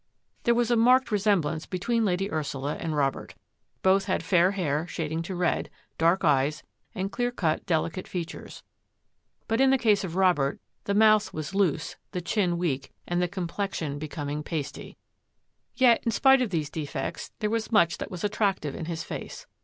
There was a marked resemblance between Lady Ursula and Robert. Both had fair hair shading to red ; dark eyes ; and clear cut, delicate features. But in the case of Robert, the mouth was loose, the chin weak, and the complexion becoming pasty. S5 86 THAT AFFAIR AT THE MANOR Yet, in spite of these defects, there was much that was attractive in his face.